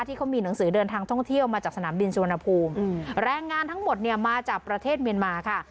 ที่เขามีหนังสือเดินทางท่องเที่ยวมาจากสนามบินสุวรรณภูมิแรงงานทั้งหมดเนี่ยมาจากประเทศเมียนมาค่ะ